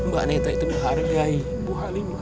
baneta itu menghargai bu halimah